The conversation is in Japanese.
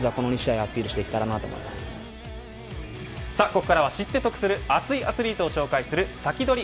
ここからは知って得する熱いアスリートを紹介するサキドリ！